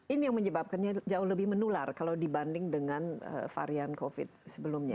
ini yang menyebabkannya jauh lebih menular kalau dibanding dengan varian covid sebelumnya